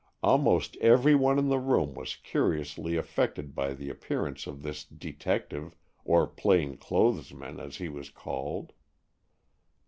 Almost every one in the room was curiously affected by the appearance of this detective, or plain clothes man, as he was called.